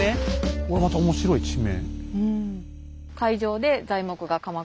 これまた面白い地名。